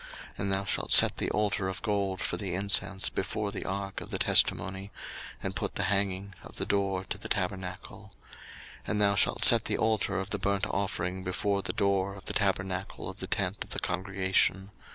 02:040:005 And thou shalt set the altar of gold for the incense before the ark of the testimony, and put the hanging of the door to the tabernacle. 02:040:006 And thou shalt set the altar of the burnt offering before the door of the tabernacle of the tent of the congregation.